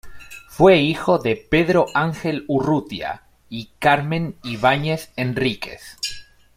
Fue hijo de "Pedro Ángel Urrutia" y "Carmen Ibáñez Henríquez".